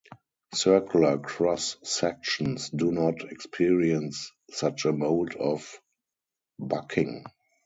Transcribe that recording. Circular cross sections do not experience such a mode of bucking.